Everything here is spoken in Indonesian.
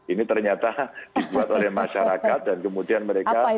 ini ternyata dibuat oleh masyarakat dan kemudian mereka